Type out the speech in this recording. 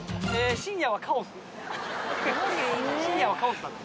深夜はカオスだって。